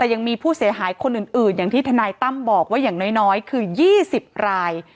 แต่ยังมีผู้เสียหายคนอื่นอย่างที่ทนายตั้มบอกว่าอย่างน้อยคือ๒๐ราย